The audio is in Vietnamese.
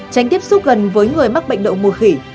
tránh tiếp xúc gần với người mắc bệnh đậu mùa khỉ